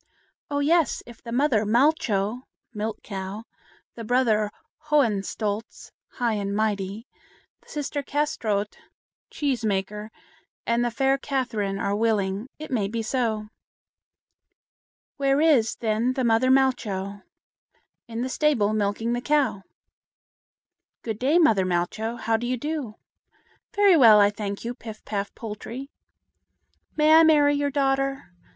"Oh, yes! if the mother Malcho (Milk Cow), the brother Hohenstolz (High and Mighty), the sister Kâsetraut (Cheese maker), and the fair Catherine are willing, it may be so." "Where is, then, the mother Malcho?" "In the stable, milking the cow." "Good day, mother Malcho. How do you do?" "Very well, I thank you, Pif paf Poltrie." "May I marry your daughter?"